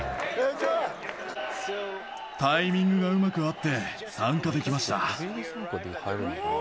タイミングがうまく合って、参加できました。